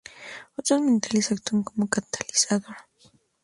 Otros metales actúan como catalizador.